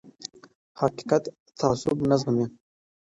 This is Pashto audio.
حقیقت تعصب نه زغمي